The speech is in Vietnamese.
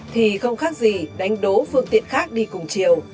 thì không khác gì đánh đố phương tiện khác đi cùng chiều